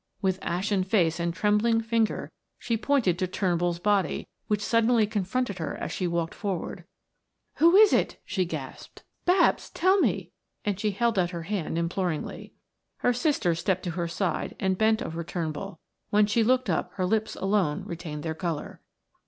With ashen face and trembling finger she pointed to Turnbull's body which suddenly confronted her as she walked forward. "Who is it?" she gasped. "Babs, tell me!" And she held out her hand imploringly. Her sister stepped to her side and bent over Turnbull. When she looked up her lips alone retained their color.